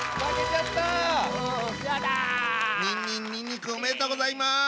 にんにんにんにくおめでとうございます！